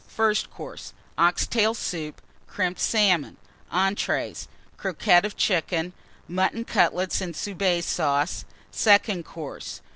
FIRST COURSE. Ox tail Soup. Crimped Salmon. ENTREES. Croquettes of Chicken. Mutton Cutlets and Soubise Sauce. SECOND COURSE.